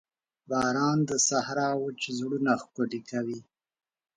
باران د صحرا وچ زړونه ښکلي کوي.